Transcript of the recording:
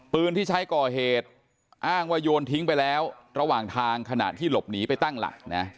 ปืนที่ใช้ก่อเหตุอ้างว่าโยนทิ้งไปแล้วระหว่างทางขณะที่หลบหนีไปตั้งหลักนะ